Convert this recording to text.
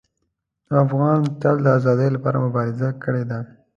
افغان تل د ازادۍ لپاره مبارزه کړې ده.